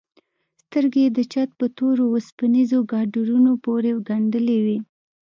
سترگې يې د چت په تورو وسپنيزو ګاډرونو پورې گنډلې وې.